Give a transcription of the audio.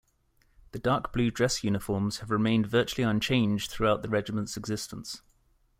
The dark blue dress uniforms have remained virtually unchanged throughout the regiment's existence.